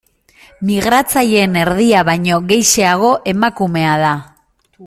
Migratzaileen erdia baino gehixeago emakumea da.